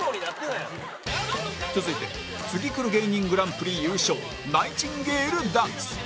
続いてツギクル芸人グランプリ優勝ナイチンゲールダンス